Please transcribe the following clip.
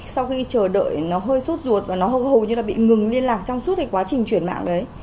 sau khi chờ đợi nó hơi sốt ruột và nó hầu như bị ngừng liên lạc trong suốt quá trình chuyển mạng đấy